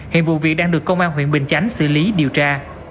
hiện vụ việc đang được công an huyện bình chánh xử lý điều tra